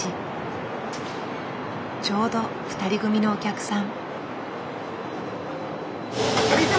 ちょうど２人組のお客さん。